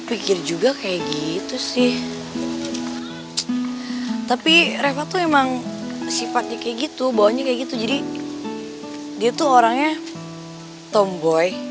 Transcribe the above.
pikir juga kayak gitu sih tapi reva tuh emang sifatnya kayak gitu baunya kayak gitu jadi dia tuh orangnya tomboy